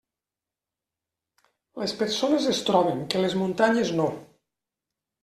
Les persones es troben, que les muntanyes no.